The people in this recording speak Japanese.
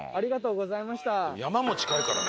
「山も近いからね」